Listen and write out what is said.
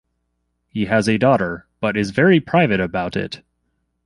He has a daughter, but is very private about it.